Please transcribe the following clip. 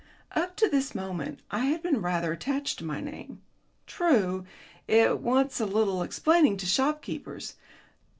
Up to this moment I had been rather attached to my name. True, it wants a little explaining to shopkeepers.